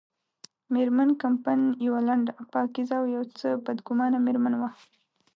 مېرمن کمپن یوه لنډه، پاکیزه او یو څه بدګمانه مېرمن وه.